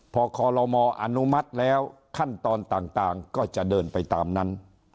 พอคอลโลมออนุมัติแล้วขั้นตอนต่างก็จะเดินไปตามนั้น